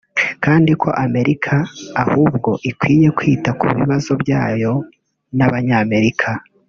kandi ko Amerika ahubwo ikwiye kwita ku bibazo byayo n’Abanyamerika